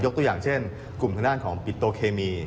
ตัวอย่างเช่นกลุ่มทางด้านของปิโตเคมี